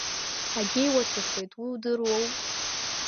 Ҳагьеиуацәахеит, уи удыруоу?